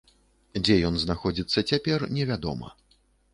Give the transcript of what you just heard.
Дзе ён знаходзіцца цяпер, невядома.